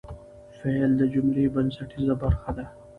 فعل د جملې بنسټیزه برخه ده.